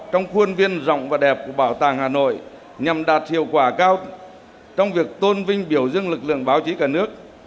trong khuôn viên rộng và đẹp của bảo tàng hà nội nhằm đạt hiệu quả cao trong việc tôn vinh biểu dương lực lượng báo chí cả nước